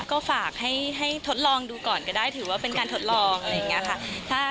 ก็ฝากให้ทดลองดูก่อนก็ได้ถือว่าเป็นการทดลองอะไรอย่างนี้ค่ะ